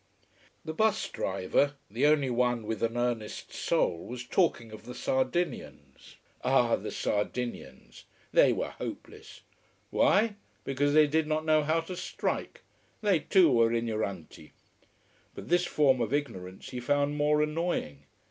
The bus driver, the only one with an earnest soul, was talking of the Sardinians. Ah, the Sardinians! They were hopeless. Why because they did not know how to strike. They, too, were ignoranti. But this form of ignorance he found more annoying.